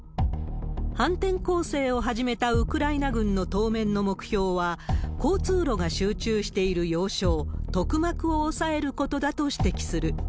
反転攻勢を始めたウクライナ軍の当面の目標は、交通路が集中している要衝、トクマクを抑えることだと指摘する。